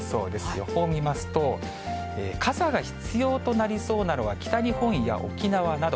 予報見ますと、傘が必要となりそうなのは北日本や沖縄など。